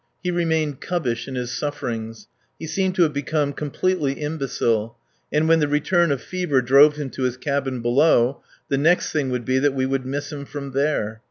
He remained cubbish in his sufferings. He seemed to have become completely imbecile; and when the return of fever drove him to his cabin below, the next thing would be that we would miss him from there.